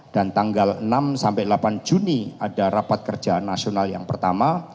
dan tanggal enam sampai delapan juni ada rapat kerja nasional yang pertama